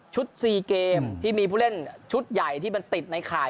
๔เกมที่มีผู้เล่นชุดใหญ่ที่มันติดในข่าย